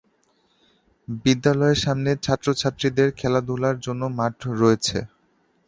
বিদ্যালয়ের সামনে ছাত্র-ছাত্রীদের খেলাধুলার জন্য মাঠ রয়েছে।